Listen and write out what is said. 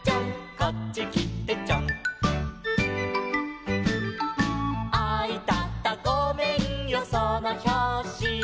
「こっちきてちょん」「あいたたごめんよそのひょうし」